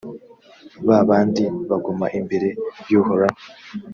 ba bandi baguma imbere y’uhoraho.